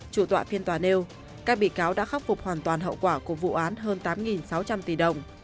chủ tọa phiên tòa nêu các bị cáo đã khắc phục hoàn toàn hậu quả của vụ án hơn tám sáu trăm linh tỷ đồng